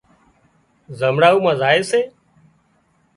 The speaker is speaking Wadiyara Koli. زمڙائو مان زائي سي